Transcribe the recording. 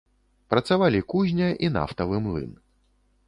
Працавалі кузня і нафтавы млын.